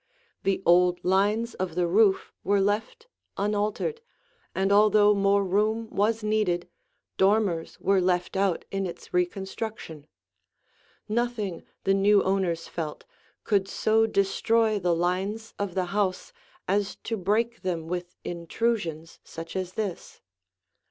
The old lines of the roof were left unaltered, and although more room was needed, dormers were left out in its reconstruction. Nothing, the new owners felt, could so destroy the lines of the house as to break them with intrusions such as this.